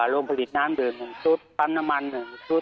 ลงผลิตน้ำดื่ม๑ชุดปั๊มน้ำมัน๑ชุด